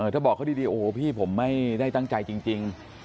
ถ้าบอกเขาดีโอ้โหพี่ผมไม่ได้ตั้งใจจริง